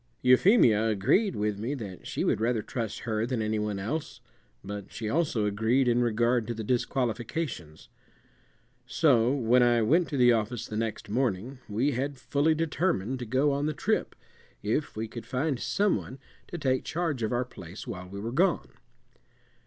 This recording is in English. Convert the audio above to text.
Euphemia agreed with me that she would rather trust her than any one else, but she also agreed in regard to the disqualifications. So when I went to the office the next morning we had fully determined to go on the trip, if we could find some one to take charge of our place while we were gone.